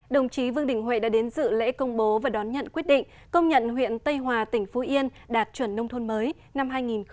đồng chí vương đình huệ đã đến dự lễ công bố và đón nhận quyết định công nhận huyện tây hòa tỉnh phú yên đạt chuẩn nông thôn mới năm hai nghìn một mươi tám